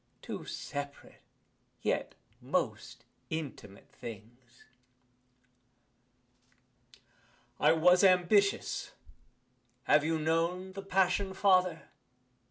Two separate yet most intimate things. I was ambitious have you known The passion, father?